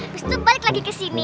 abis itu balik lagi kesini